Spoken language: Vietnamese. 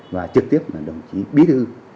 và trực tiếp là đồng chí bí thư